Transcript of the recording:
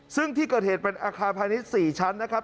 ซึ่งที่เกิดเหตุเป็นอาคารพาณิชย์๔ชั้นนะครับ